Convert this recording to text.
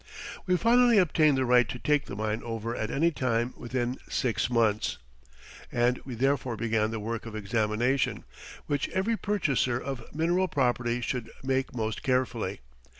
We finally obtained the right to take the mine over at any time within six months, and we therefore began the work of examination, which every purchaser of mineral property should make most carefully.